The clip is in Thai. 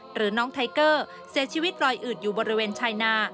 หรือน้องไทเกอร์เสียชีวิตรอยอืดอยู่บริเวณชายนา